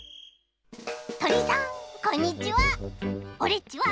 とりさんこんにちは。